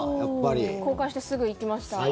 公開してすぐ行きました。